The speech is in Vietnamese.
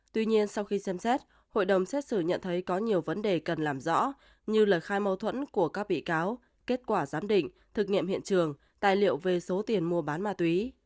tuy nhiên sau khi xem xét hội đồng xét xử nhận thấy có nhiều vấn đề cần làm rõ như lời khai mâu thuẫn của các bị cáo kết quả giám định thực nghiệm hiện trường tài liệu về số tiền mua bán ma túy